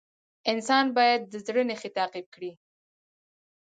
انسان باید د زړه نښې تعقیب کړي.